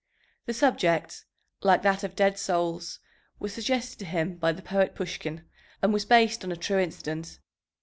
The subject, like that of Dead Souls, was suggested to him by the poet Pushkin, and was based on a true incident.